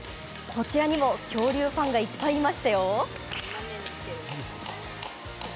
こちらにも恐竜ファンがいっぱいいました。